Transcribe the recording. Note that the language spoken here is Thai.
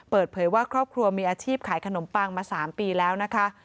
เปิดเผยว่าครอบครัวมีอาชีพขายขนมปังมา๓ปีแล้วนะคะ